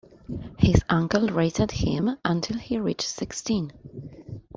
His uncle raised him until he reached sixteen.